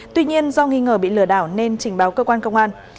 tuy nhiên do nghi ngờ bị lừa đảo nên trình báo cơ quan công an